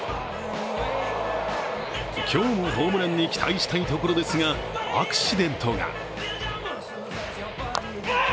今日もホームランに期待したいところですがアクシデントが。